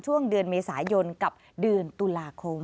ช่วงเดือนเมษายนกับเดือนตุลาคม